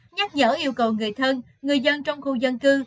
nhắc nhở yêu cầu người thân người dân trong khu dân cư